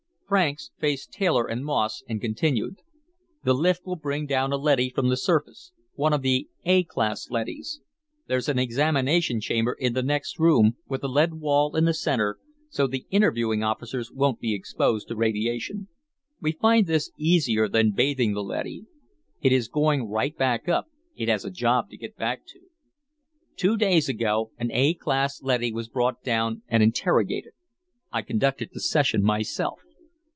Franks faced Taylor and Moss and continued: "The lift will bring down a leady from the surface, one of the A class leadys. There's an examination chamber in the next room, with a lead wall in the center, so the interviewing officers won't be exposed to radiation. We find this easier than bathing the leady. It is going right back up; it has a job to get back to. "Two days ago, an A class leady was brought down and interrogated. I conducted the session myself.